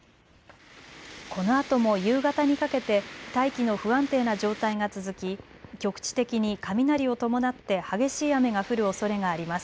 このあとも夕方にかけて大気の不安定な状態が続き局地的に雷を伴って激しい雨が降るおそれがあります。